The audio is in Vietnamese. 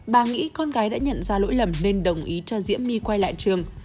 bà nghĩ con gái đã nhận ra lỗi lầm nên đồng ý cho diễm my quay lại trường